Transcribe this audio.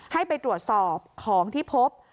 ให้ไปตรวจสอบของที่พบ